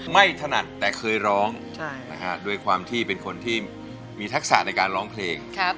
ไม่ถนัดแต่เคยร้องใช่นะฮะด้วยความที่เป็นคนที่มีทักษะในการร้องเพลงครับ